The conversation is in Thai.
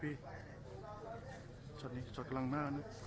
อันนี้มีเหตุการณ์ล้อมธรรมิเหตุครั้งหนึ่ง